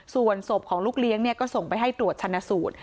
ส่วนศพของลูกเลี้ยงก็ส่งไปให้ตรวจชนะสูตร